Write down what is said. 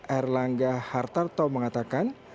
erlangga hartarto mengatakan